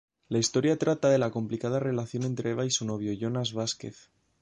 La historia trata de la complicada relación entre Eva y su novio, Jonas Vasquez.